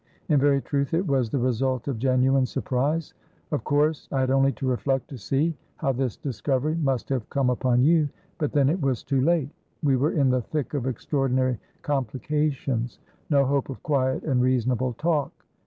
In very truth, it was the result of genuine surprise. Of course I had only to reflect to see how this discovery must have come upon you, but then it was too late. We were in the thick of extraordinary complications: no hope of quiet and reasonable talk.